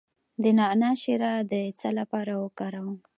د نعناع شیره د څه لپاره وکاروم؟